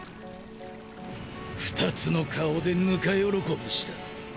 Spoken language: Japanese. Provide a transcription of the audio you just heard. ２つの顔でぬか喜びした。